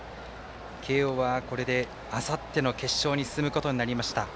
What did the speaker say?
慶応は、これであさっての決勝に進むことになりました。